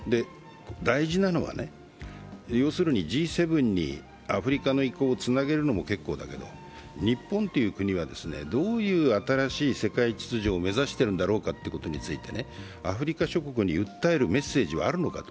大事なのは要するにＧ７にアフリカの意向をつなげるのも結構だけれども、日本という国はどういう新しい世界秩序を目指しているんだということについてアフリカ諸国に訴えるメッセージはあるのかと。